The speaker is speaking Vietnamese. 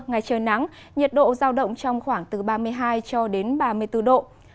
ngày trời nắng nhiệt độ giao động trong khoảng từ ba mươi hai cho đến ba mươi bốn độ